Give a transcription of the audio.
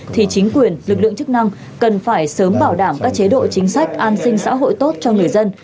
thì chính quyền lực lượng chức năng cần phải sớm bảo đảm các chế độ chính sách an sinh xã hội tốt cho người dân